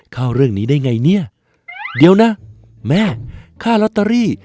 เข้าเรื่องนี้ได้ไงเนี่ยเดี๋ยวนะแม่ค่าลอตเตอรี่